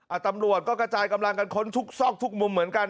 ตำรวจก็กระจายกำลังกันค้นทุกซอกทุกมุมเหมือนกัน